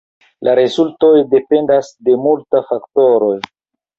La rezultoj dependas de multa faktoroj.